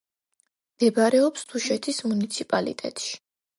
მდებარეობს დუშეთის მუნიციპალიტეტში.